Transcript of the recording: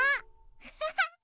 アハハ！